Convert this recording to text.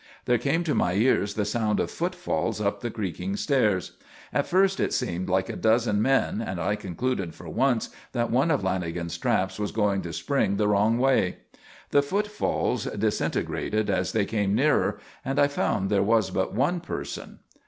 There came to my ears the sound of footfalls up the creaking stairs. At first it seemed like a dozen men and I concluded for once that one of Lanagan's traps was going to spring the wrong way. The footfalls disintegrated as they came nearer and I found there was but one person.